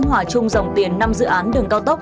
hòa chung dòng tiền năm dự án đường cao tốc